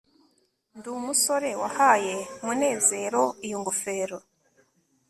ndi umusore wahaye munezero iyo ngofero